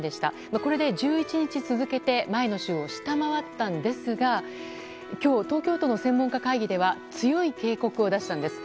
これで１１日続けて前の週を下回ったんですが今日、東京都の専門家会議では強い警告を出したんです。